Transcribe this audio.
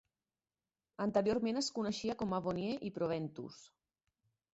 Anteriorment es coneixia com a Bonnier i Proventus.